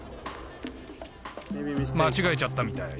間違えちゃったみたい。